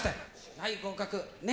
はい、合格ね。